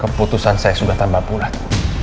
keputusan saya sudah tambah punah